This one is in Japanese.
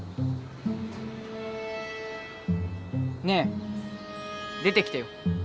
ねえ出てきてよ。